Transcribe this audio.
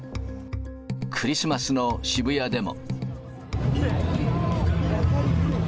クリスマスの渋谷でも。